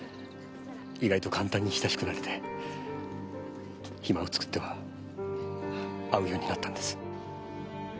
意外と簡単に親しくなれて暇を作っては会うようになったんです。